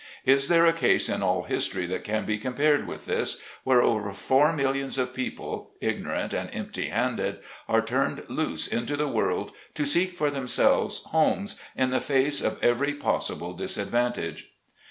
Is there a case in all history, that can be compared with this, where over four millions of people, ignorant and empty handed, are turned loose into the world to seek for themselves homes in the face of every pos sible disadvantage